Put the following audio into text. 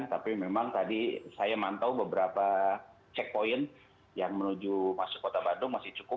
tapi memang tadi saya mantau beberapa checkpoint yang menuju masuk kota bandung masih cukup